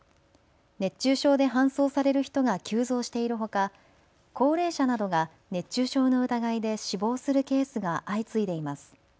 熱中症で搬送される人が急増しているほか高齢者などが熱中症の疑いで死亡するケースが相次いでいます。